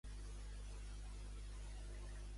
En què es va basar la seva unió amb Susana Chiocca?